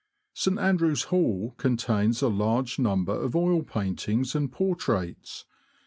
St. Andrew's Hall contains a large number of oil paintings and portraits.